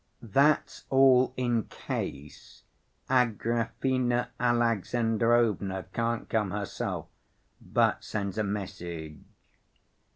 That's all in case Agrafena Alexandrovna can't come herself, but sends a message.